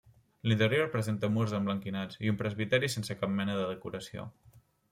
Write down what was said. L'interior presenta murs emblanquinats, i un presbiteri sense cap mena de decoració.